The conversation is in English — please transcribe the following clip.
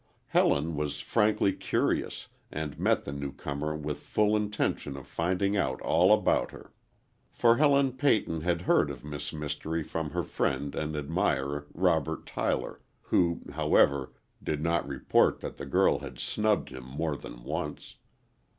Helen was frankly curious, and met the newcomer with full intention of finding out all about her. For Helen Peyton had heard of Miss Mystery from her friend and admirer, Robert Tyler, who, however, did not report that the girl had snubbed him more than once.